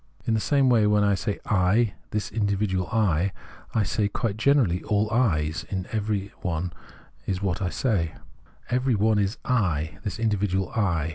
In the same way when I say " I," " this individual I," I say quite generally " all I's," every one is what I say, every one is " I," this individual I.